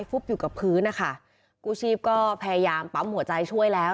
ฟุบอยู่กับพื้นนะคะกู้ชีพก็พยายามปั๊มหัวใจช่วยแล้ว